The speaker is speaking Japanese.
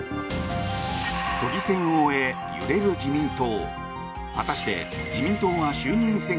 都議選を終え、揺れる自民党。